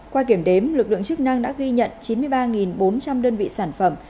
qua kiểm đếm lực lượng chức năng đã ghi nhận chín mươi ba bốn trăm linh đơn vị sản phẩm